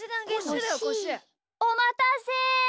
おまたせ。